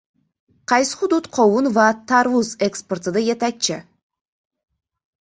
Qaysi hudud qovun va tarvuz eksportida yetakchi?